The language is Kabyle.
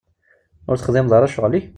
Ur texdimeḍ ara ccɣel-ik?